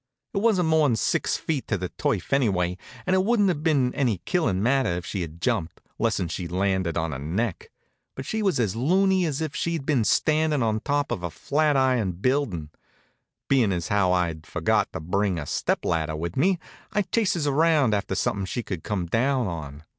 It wa'n't more'n six feet to the turf anyway, and it wouldn't have been any killing matter if she had jumped, less'n she'd landed on her neck; but she was as looney as if she'd been standin' on top of the Flatiron Buildin'. Bein' as how I'd forgot to bring a step ladder with me, I chases around after something she could come down on.